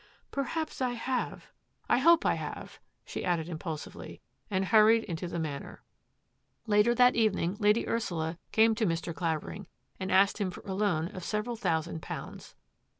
Perhaps I have. I hope I have," she added im pulsively, and hurried into the Manor. Later that evening Lady Ursula came to Mr. Clavering and asked him for a loan of several thousand pounds.